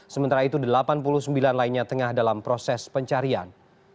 sementara itu delapan puluh sembilan lainnya tengah dalam proses pencarian